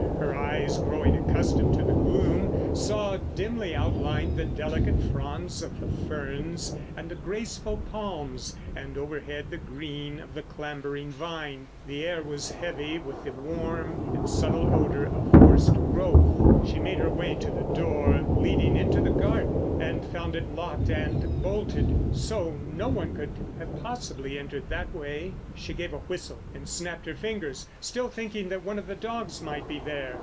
Her eyes, growing accustomed to the gloom, saw dimly outlined the delicate fronds of the ferns and the graceful palms and overhead the green of the clambering vine. The air was heavy with the warm and subtle odour of forced growth. She made her way to the door leading into the garden, and found it locked and bolted. So no one could have possibly entered that way. She gave a whistle and snapped her fingers, still thinking that one of the dogs might be there.